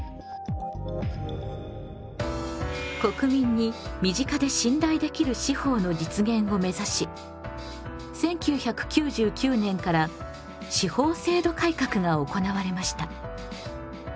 国民に身近で信頼できる司法の実現を目指し１９９９年から司法制度改革が行われました。